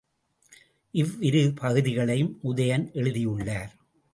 இவ்விரு பகுதிகளையும் உதயன் எழுதியுள்ளார்.